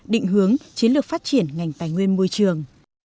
định hướng chiến lược phát triển ngành tài nguyên môi trường